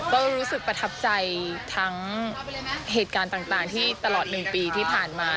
ก็รู้สึกประทับใจทั้งเหตุการณ์ต่างที่ตลอด๑ปีที่ผ่านมา